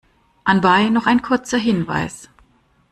Anbei noch ein kurzer Hinweis.